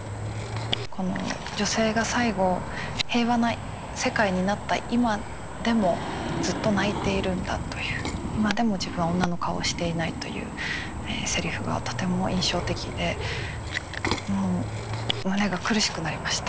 この女性が最後平和な世界になった今でもずっと泣いているんだという今でも自分は女の顔をしていないというせりふがとても印象的でもう胸が苦しくなりました。